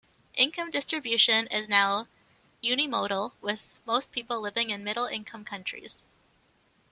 Income distribution is now unimodal, with most people living in middle-income countries.